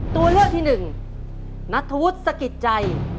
ตัวเลือกที่หนึ่งนัทธวุฒิสกิจใจ